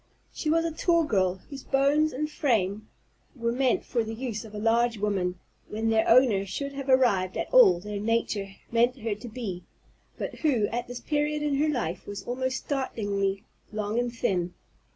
She was a tall girl, whose bones and frame were meant for the use of a large woman, when their owner should have arrived at all that nature meant her to be, but who at this period of her life was almost startlingly long and thin.